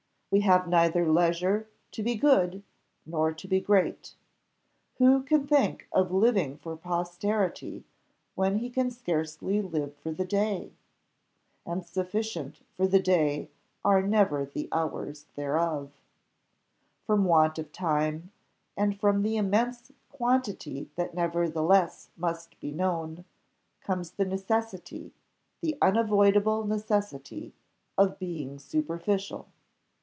We have neither leisure to be good, nor to be great: who can think of living for posterity, when he can scarcely live for the day? and sufficient for the day are never the hours thereof. From want of time, and from the immense quantity that nevertheless must be known, comes the necessity, the unavoidable necessity of being superficial."